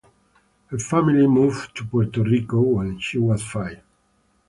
Her family moved to Puerto Rico when she was five.